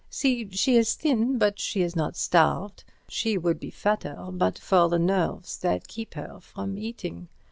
See, she is thin, but she is not starved. She would be fatter but for the nerves that keep her from eating.